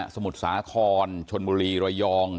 มุทรสาครชนบุรีระยอง